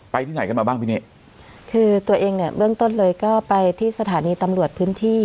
ที่ไหนกันมาบ้างพี่นี่คือตัวเองเนี่ยเบื้องต้นเลยก็ไปที่สถานีตำรวจพื้นที่